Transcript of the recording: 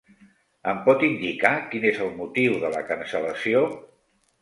Em pot indicar quin és el motiu de la cancel·lació?